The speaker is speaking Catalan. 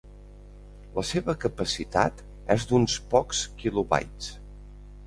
La seva capacitat és d'uns pocs kilobytes.